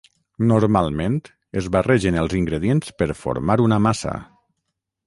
Normalment es barregen els ingredients per formar una massa.